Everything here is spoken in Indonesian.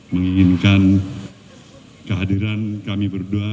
menginginkan kehadiran kami berdua